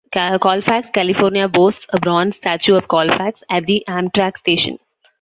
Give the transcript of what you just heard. Colfax, California boasts a bronze statue of Colfax, at the Amtrak station.